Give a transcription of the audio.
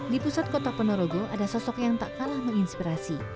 di pusat kota ponorogo ada sosok yang tak kalah menginspirasi